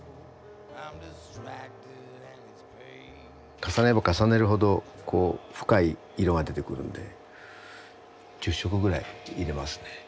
重ねれば重ねるほどこう深い色が出てくるんで十色ぐらい入れますね。